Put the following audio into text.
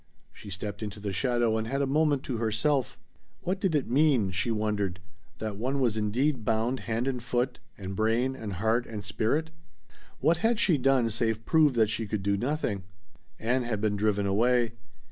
She stepped into the shadow and had a moment to herself. What did it mean she wondered. That one was indeed bound hand and foot and brain and heart and spirit? What had she done save prove that she could do nothing? Ann had been driven away.